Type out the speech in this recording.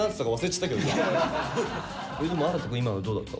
でも新くん今のどうだった？